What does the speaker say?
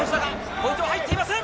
ポイントは入っていません。